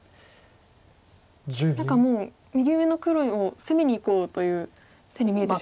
何かもう右上の黒を攻めにいこうという手に見えて。